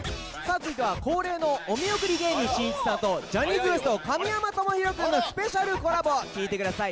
続いては恒例のお見送り芸人しんいちさんとジャニーズＷＥＳＴ神山智洋くんのスペシャルコラボ聴いてください